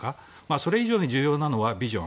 それ以上に重要なのはビジョン。